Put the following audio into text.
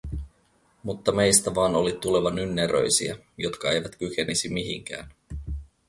Mutta meistä vaan oli tuleva nynneröisiä, jotka eivät kykenisi mihinkään.